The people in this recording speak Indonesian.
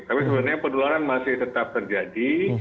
tapi sebenarnya penularan masih tetap terjadi